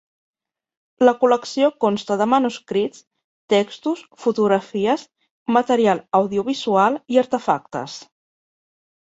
La col.lecció consta de manuscrits, textos, fotografies, material audiovisual i artefactes.